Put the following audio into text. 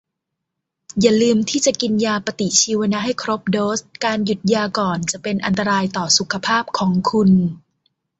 อย่าลืมที่จะกินยาปฏิชีวนะให้ครบโดส การหยุดยาก่อนจะเป็นอันตรายต่อสุขภาพของคุณ